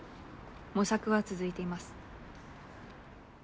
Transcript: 模索は続いています。